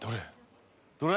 どれ？